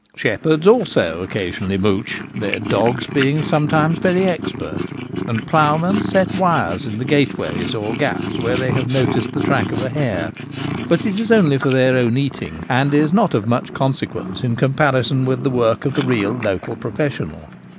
Shep herds, also, occasionally mouch — their dogs being sometimes very expert ; and ploughmen set wires in the gateways or gaps where they have noticed the track of a hare, but it is only for their own eating, and is not of much consequence in comparison with the work of the real local professional.